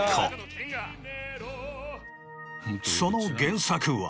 その原作は。